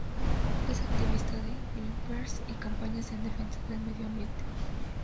Es activista de Greenpeace en campañas en defensa del medioambiente.